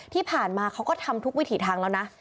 ที่ผ่านมาเขาก็ทำทุกวิถีทางแล้วนะ